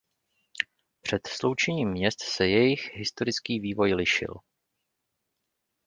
Před sloučením měst se jejich historický vývoj lišil.